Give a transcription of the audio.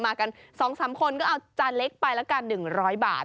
มากัน๒๓คนก็เอาจานเล็กไปละกัน๑๐๐บาท